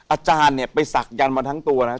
อาจารย์เนี่ยไปศักดิ์ยันต์มาทั้งตัวนะครับ